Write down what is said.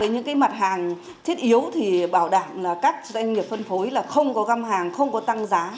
những mặt hàng thiết yếu thì bảo đảm là các doanh nghiệp phân phối là không có găm hàng không có tăng giá